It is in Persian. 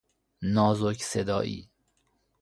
نازک صدایی